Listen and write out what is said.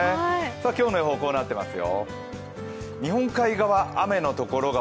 今日の予報、こうなってますよ。